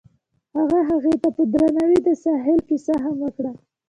هغه هغې ته په درناوي د ساحل کیسه هم وکړه.